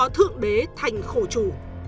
thượng đế thành khổ chủ